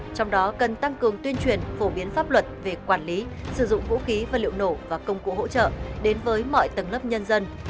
trong đó cần tăng cường tuyên truyền phổ biến pháp luật về quản lý sử dụng vũ khí và liệu nổ và công cụ hỗ trợ đến với mọi tầng lớp nhân dân